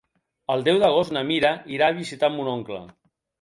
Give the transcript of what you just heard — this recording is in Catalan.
El deu d'agost na Mira irà a visitar mon oncle.